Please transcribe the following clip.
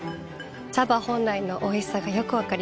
茶葉本来のおいしさがよく分かります。